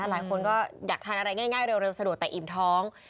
หลายคนก็อยากทานอะไรง่ายเร็วสะดวกแต่อิ่มท้อง